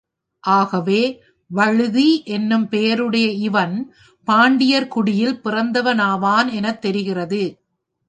ஆகவே, வழுதி எனும் பெயருடைய இவன், பாண்டியர் குடியில் பிறந்தவனாவன் எனத் தெரிகிறது.